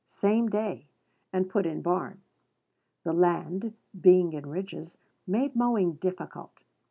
same day, and put in barn. The land, being in ridges, made mowing difficult.